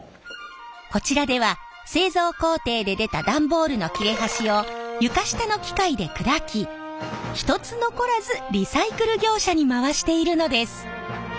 こちらでは製造工程で出た段ボールの切れ端を床下の機械で砕き一つ残らずリサイクル業者に回しているのです。